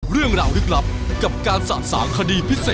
เรื่องราวลึกลับกับการสะสางคดีพิเศษ